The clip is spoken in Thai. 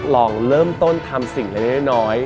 ลองเริ่มต้นทำสิ่งเล็กน้อย